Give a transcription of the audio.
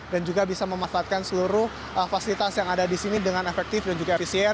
dan juga bisa memanfaatkan seluruh fasilitas yang ada disini dengan efektif dan juga efisien